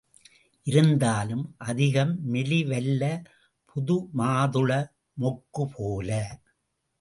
இருந்தாலும், அதிகம் மெலிவல்ல புதுமாதுள மொக்குபோல.